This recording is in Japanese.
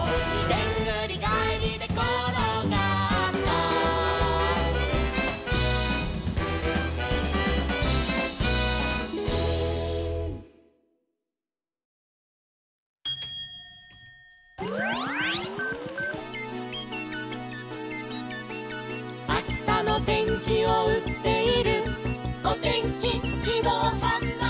「でんぐりがえりでころがった」「あしたのてんきをうっているおてんきじどうはんばいき」